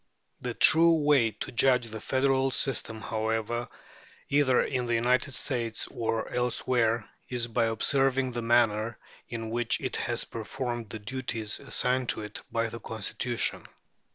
The true way to judge the federal system, however, either in the United States or elsewhere, is by observing the manner in which it has performed the duties assigned to it by the Constitution.